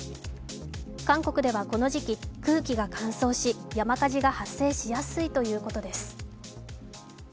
韓国ではこの時期、空気が乾燥し山火事が発生しやすいということです。